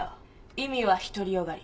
意味は独り善がり。